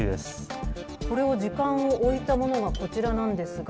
これを時間を置いたものがこちらなんですが。